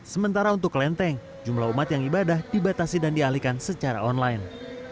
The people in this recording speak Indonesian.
sementara untuk kelenteng jumlah umat yang ibadah dibatasi dan dialihkan secara online